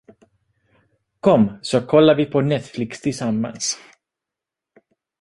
Kom så kollar vi på Netflix tillsammans.